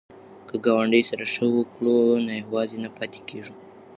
که ګاونډي سره ښه وکړو نو یوازې نه پاتې کیږو.